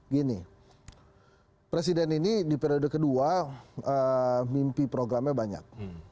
gini presiden ini di periode kedua mimpi programnya banyak